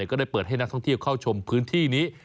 ก็ได้เปิดให้นักท่องเที่ยวเข้าชมพื้นที่นี้